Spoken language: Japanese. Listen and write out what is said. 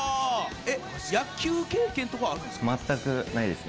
野球経験とかはあるんですか？